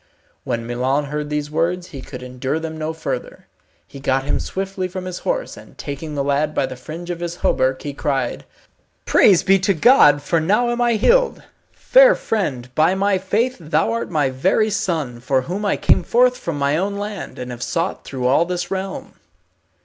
When Milon heard these words he could endure them no further. He got him swiftly from his horse, and taking the lad by the fringe of his hauberk, he cried, "Praise be to God, for now am I healed. Fair friend, by my faith thou art my very son, for whom I came forth from my own land, and have sought through all this realm."